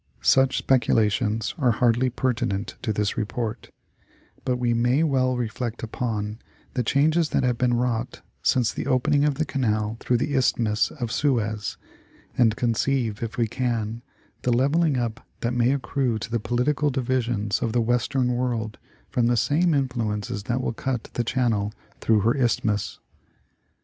Such speculations are hardly pertinent to this report, but we may well reflect upon the changes that have been wrought since the opening of the canal through the Isthmus of Suez, and conceive, if we can, the level ing up that may accrue to the political divisions of the western world from the same influences that will cut the channel through her Isthmus.